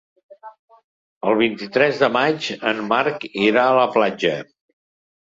El vint-i-tres de maig en Marc irà a la platja.